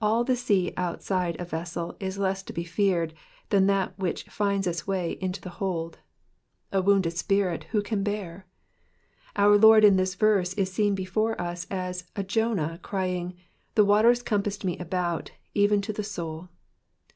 All the sea outside a vessel is less to be feared than that which finds its way into the hold. A wounded spirit who can bear. Our Lord in this verse is seen before us as a Jonah, crying, *' The waters compassed me about, even to the soul."